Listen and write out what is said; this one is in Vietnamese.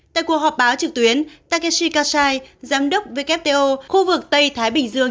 tại cuộc họp báo trực tuyến takeshi kasai giám đốc wto khu vực tây thái bình dương